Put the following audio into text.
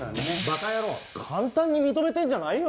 バカ野郎簡単に認めてんじゃないよ。